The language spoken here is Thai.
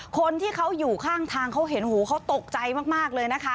คนที่เขาอยู่ข้างทางเขาเห็นหูเขาตกใจมากเลยนะคะ